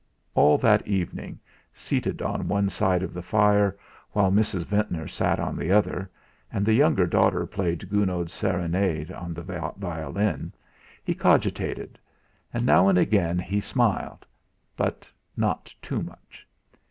All that evening, seated on one side of the fire, while Mrs. Ventnor sat on the other, and the younger daughter played Gounod's Serenade on the violin he cogitated. And now and again he smiled, but not too much.